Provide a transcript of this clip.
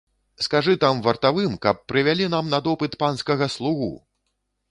Скажы там вартавым, каб прывялі нам на допыт панскага слугу!